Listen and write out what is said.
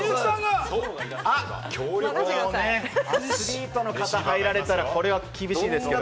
アスリートの方、入られたらこれは厳しいですから。